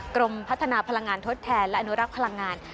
กรมพัฒนาพลังงานทดแทนและอนุรักษ์พลังงาน